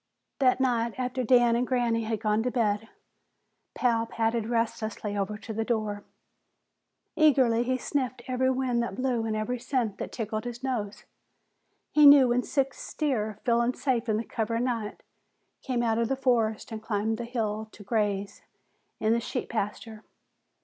That night, after Dan and Granny had gone to bed, Pal padded restlessly over to the door. Eagerly he sniffed every wind that blew and every scent that tickled his nose. He knew when six deer, feeling safe in the cover of night, came out of the forest and climbed the hill to graze in the sheep pasture.